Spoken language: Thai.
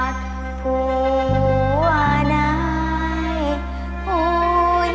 มุหาวเช้าอีสาน